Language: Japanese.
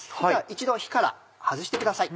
一度火から外してください。